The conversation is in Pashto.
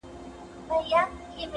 o پوښتني لا هم ژوندۍ پاتې کيږي تل,